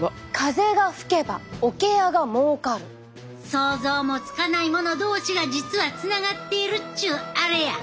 想像もつかないもの同士が実はつながっているっちゅうあれや。